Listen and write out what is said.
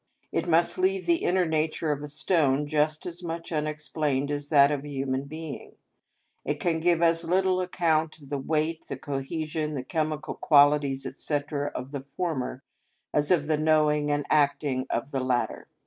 It must leave the inner nature of a stone just as much unexplained as that of a human being; it can give as little account of the weight, the cohesion, the chemical qualities, &c., of the former, as of the knowing and acting of the latter.